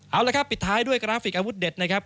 เอาละครับปิดท้ายด้วยกราฟิกอาวุธเด็ดนะครับ